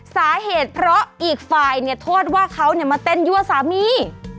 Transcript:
สาเหตุเพราะอีกฝ่ายเนี่ยโทษว่าเขามาเต้นยั่วสามี